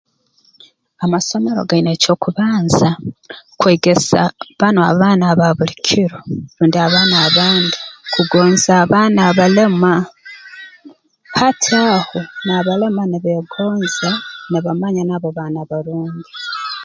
Amasomero gaine eky'okubanza kwegesa banu abaana aba buli kiro rundi abaana abandi kugonza abaana abalema hati aho n'abalema nibeegonza nibamanya nabo baana barungi